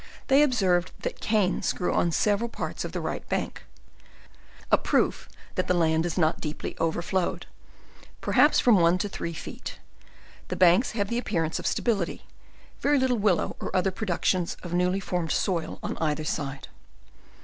they observed that canes grew on several parts of the right bank, a proof that the land is not deeply overflowed; perhaps from one to three feeU the banks have the appear ance of stability; very little willow or other productions of a newly formed soil on either side.